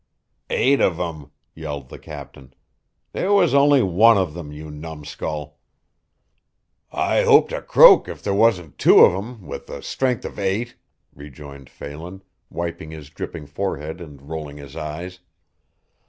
"Eight of 'em!" yelled the captain. "There was only one of them, you numskull." "I hope to croak if there wasn't two of 'em with the stren'th of eight," rejoined Phelan, wiping his dripping forehead and rolling his eyes.